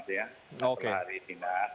setelah hari dinas